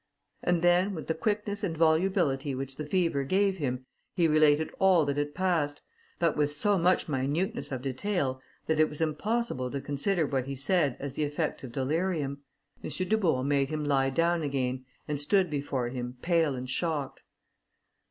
And then with the quickness and volubility which the fever gave him, he related all that had passed, but with so much minuteness of detail, that it was impossible to consider what he said as the effect of delirium. M. Dubourg made him he down again, and stood before him pale and shocked.